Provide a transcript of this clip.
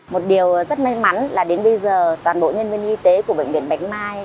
một điều rất may mắn là đến bây giờ toàn bộ nhân viên y tế của bệnh viện bạch mai